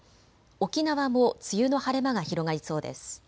沖縄も梅雨の晴れ間が広がりそうです。